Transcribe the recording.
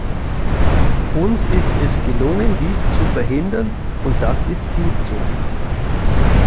Uns ist es gelungen, dies zu verhindern, und das ist gut so!